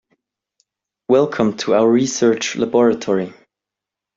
Welcome to our research Laboratory.